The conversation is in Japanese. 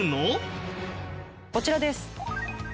こちらです。